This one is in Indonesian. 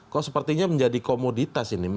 kok sepertinya menjadi komoditas ini